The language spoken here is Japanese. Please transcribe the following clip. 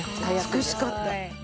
美しかった。